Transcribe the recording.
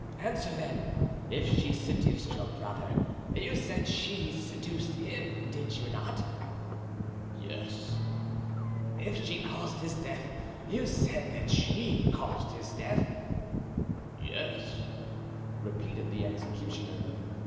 "Answer, then. If she seduced your brother—you said she seduced him, did you not?" "Yes." "If she caused his death—you said that she caused his death?" "Yes," repeated the executioner.